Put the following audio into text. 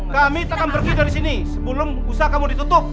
kami akan pergi dari sini sebelum usaha kamu ditutup